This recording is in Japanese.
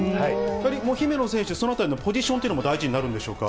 姫野選手、そのあたりのポジションというのも大事になるんでしょうか。